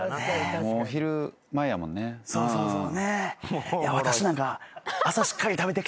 そうそうそうそう。